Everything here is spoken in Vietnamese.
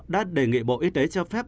đã đề nghị bộ y tế cho phép